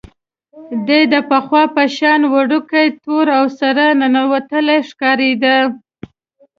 دی د پخوا په شان وړوکی، تور او سره ننوتلی ښکارېده.